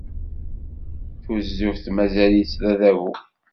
Tuzuft mazal-itt d aṭabu.